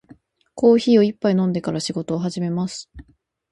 コーヒーを一杯飲んでから仕事を始めます。